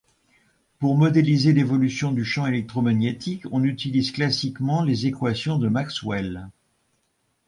Pour modéliser l'évolution du champ électromagnétique, on utilise classiquement les équations de Maxwell.